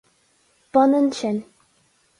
B'ionann sin.